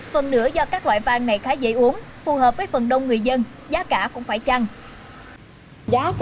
phần nữa do các loại vàng này khá dễ uống phù hợp với phần đông người dân giá cả cũng phải chăng